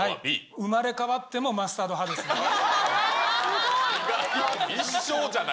生まれ変わってもマスタードすごい。